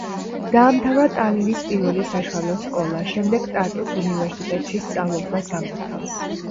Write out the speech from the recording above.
დაამთავრა ტალინის პირველი საშუალო სკოლა, შემდეგ ტარტუს უნივერსიტეტში სწავლობდა სამართალს.